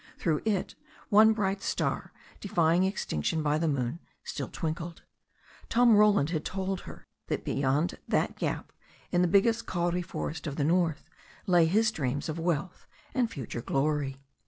Through it one bright star, defying extinction by the moon, still twinkled. Tom Roland had told her that behind that gap, in the biggest kaun forest of the north, lay his dreams of wealth and future glory.